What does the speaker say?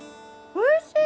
おいしい！